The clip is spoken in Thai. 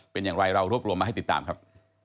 เป็นอย่างไรเรารวบรวมมาให้ติดตามครับ